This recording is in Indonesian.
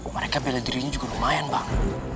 mereka bela dirinya juga lumayan bang